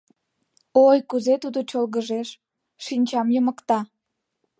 Ой, кузе тудо чолгыжеш — шинчам йымыкта.